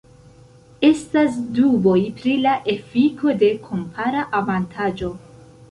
Estas duboj pri la efiko de kompara avantaĝo.